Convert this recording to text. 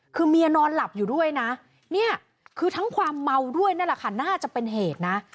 คือเมียนอนหลับอยู่ด้วยนะเนี่ยคือทั้งความเมาด้วยนั่นแหละค่ะน่าจะเป็นเหตุนะ